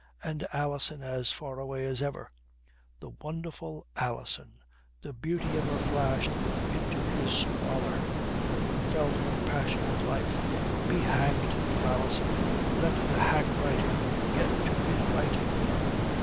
And Alison as far away as ever. The wonderful Alison! The beauty of her flashed into his squalor. He felt her passionate life. Be hanged to Alison! Let the hack writer get to his writing.